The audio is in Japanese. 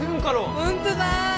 ホントだー！